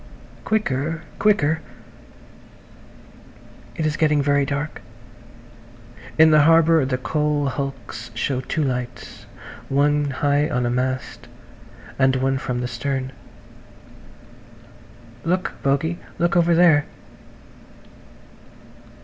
"Quicker! Quicker!" It is getting very dark. In the harbour the coal hulks show two lights–one high on a mast, and one from the stern. "Look, Bogey. Look over there."